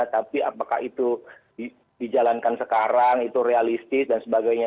tapi apakah itu dijalankan sekarang itu realistis dan sebagainya